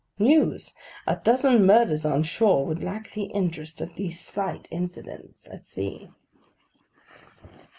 News! A dozen murders on shore would lack the interest of these slight incidents at sea.